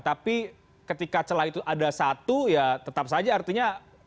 tapi ketika celah itu ada satu ya tetap saja artinya